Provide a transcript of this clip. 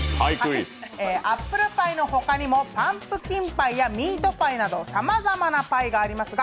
アップルパイの他にパンプキンパイやミートパイなどさまざまなパイがありますが